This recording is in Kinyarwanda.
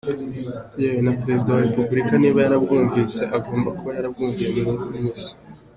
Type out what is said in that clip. Yewe na Perezida wa Republika niba yarabwumvise agomba kuba yarabwumviye mu misa.